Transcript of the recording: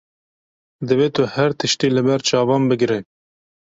Divê tu her tiştî li ber çavan bigire.